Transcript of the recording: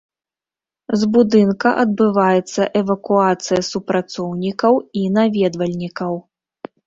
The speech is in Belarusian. З будынка адбываецца эвакуацыя супрацоўнікаў і наведвальнікаў.